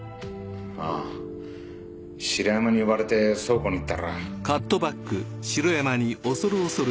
あぁ城山に呼ばれて倉庫に行ったら。